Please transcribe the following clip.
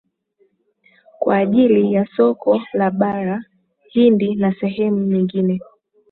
kwa ajili ya soko la bara hindi na sehemu nyengine